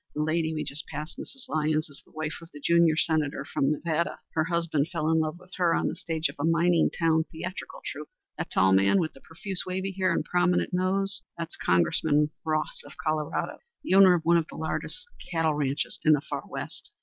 "The lady we just passed, Mrs. Lyons, is the wife of the junior Senator from Nevada. Her husband fell in love with her on the stage of a mining town theatrical troupe. That tall man, with the profuse wavy hair and prominent nose, is Congressman Ross of Colorado, the owner of one of the largest cattle ranches in the Far West.